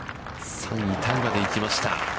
３位タイまで行きました。